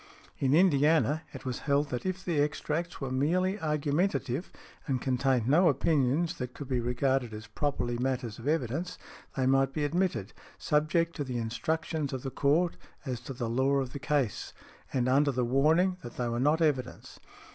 In Indiana, it was held that if the extracts were merely argumentative and contained no opinions that could be regarded as properly matters of evidence, they might be admitted, subject to the instructions of the Court as to the law of the case and under the warning that they were not evidence.